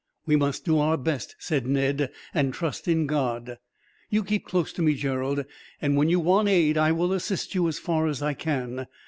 "We must do our best," said Ned, "and trust in God. You keep close to me, Gerald, and when you want aid I will assist you as far as I can.